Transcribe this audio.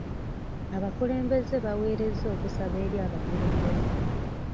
Abakulembeze bawerezza okusaba eri abakulembeze.